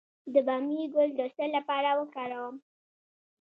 د بامیې ګل د څه لپاره وکاروم؟